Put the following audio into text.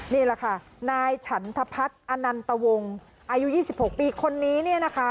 นี่แหละค่ะนายฉันทพัฒน์อนันตวงอายุ๒๖ปีคนนี้เนี่ยนะคะ